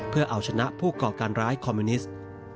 เพื่อเอาชนะผู้ก่อการร้ายคอมมิวนิสต์